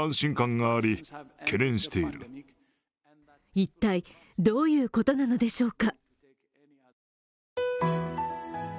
一体、どういうことなのでしょうか？